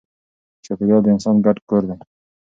چاپېریال د انسان ګډ کور دی.